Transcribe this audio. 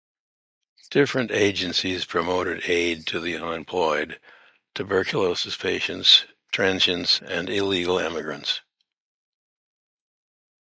Different agencies promoted aid to the unemployed, tuberculosis patients, transients, and illegal immigrants.